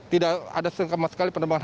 tidak ada sama sekali penerbangan